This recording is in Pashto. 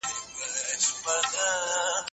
مرهټيانو په هند کي څه کول؟